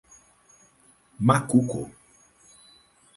Macuco